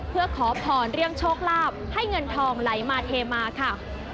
เพื่อขอพรเรื่องโชคลาภให้เงินทองไหลมาเทมาค่ะ